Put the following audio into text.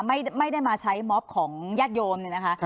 ไม่ได้ไม่ได้มาใช้ของโยมน์อย่างนี้นะฮะ